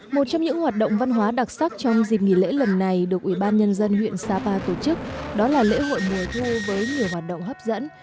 một trong những hoạt động văn hóa đặc sắc trong dịp nghỉ lễ lần này được ubnd huyện sapa tổ chức đó là lễ hội mùa thu với nhiều hoạt động hấp dẫn